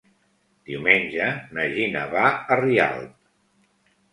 Diumenge na Gina va a Rialp.